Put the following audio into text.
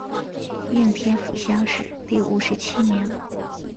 应天府乡试第五十七名。